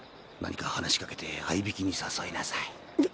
何か話し掛けてあいびきに誘いなさい。